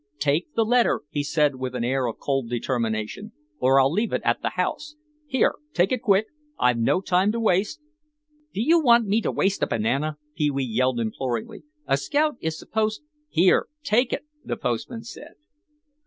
"Take the letter," he said with an air of cold determination, "or I'll leave it at the house. Here, take it quick; I've no time to waste." "Do you want me to waste a banana," Pee wee yelled imploringly; "a scout is supposed—" "Here, take it," the postman said.